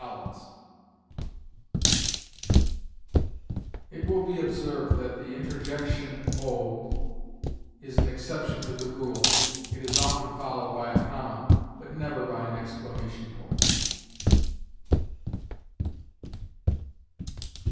Collins. It will be observed that the interjection O is an exception to the rule: it is often followed by a comma, but never by an exclamation point.